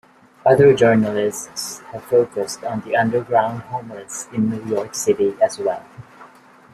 Other journalists have focused on the underground homeless in New York City as well.